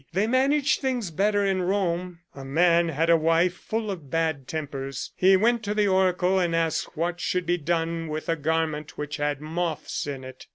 They managed things better in Rome, A man had a wife full of bad tempers. He went to the oracle and asked what should be done with a garment which had moths in it.